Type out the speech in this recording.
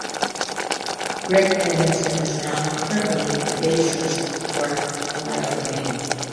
Greg Edmondson is now currently the bassist for Collide Over Me.